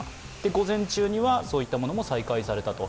午前中にはそういったものも再開されたと。